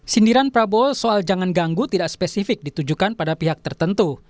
sindiran prabowo soal jangan ganggu tidak spesifik ditujukan pada pihak tertentu